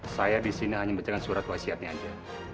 saya di sini hanya bacakan surat wasiatnya aja